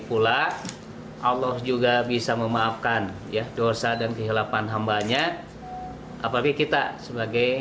pula allah juga bisa memaafkan ya dosa dan kehilapan hambanya apabila kita sebagai